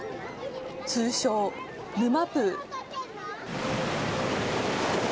通称、沼プー。